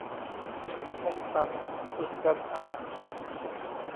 คมสันต์ สุดจันทร์ฮาม